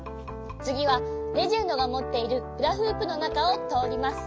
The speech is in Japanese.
つぎはレジェンドがもっているフラフープのなかをとおります。